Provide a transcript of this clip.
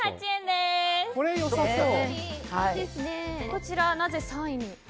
こちら、なぜ３位に？